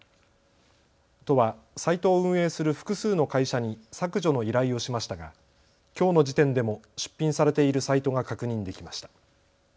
都はサイトを運営する複数の会社に削除の依頼をしましたがきょうの時点でも出品されているサイトが確認できました。